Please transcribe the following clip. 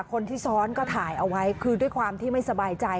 คนที่ซ้อนก็ถ่ายเอาไว้คือด้วยความที่ไม่สบายใจ